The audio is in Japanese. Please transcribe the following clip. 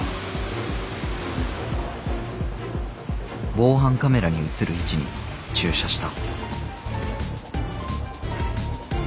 防犯カメラに写る位置に駐車した。